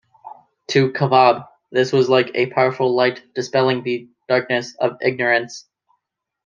To Khabbab, this was like a powerful light dispelling the darkness of ignorance.